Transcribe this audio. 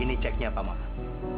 ini ceknya pak maman